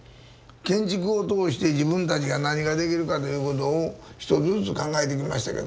建築を通して自分たちが何ができるかということを一つずつ考えてきましたけども。